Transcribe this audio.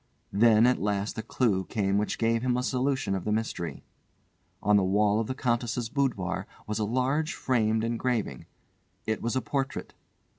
Then at last a clue came which gave him a solution of the mystery. On the wall of the Countess's boudoir was a large framed engraving. It was a portrait.